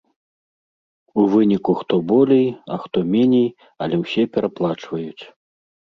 У выніку хто болей, а хто меней, але ўсе праплачваюць.